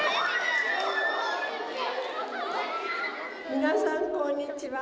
皆さんこんにちは。